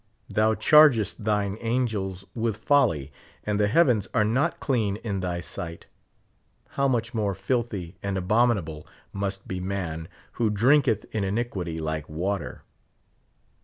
Thou chargest thine angels with folly, and the heavens are not clean in thy sight ; how much more filthy and abominable must be man, who drinketh in iniquity like water?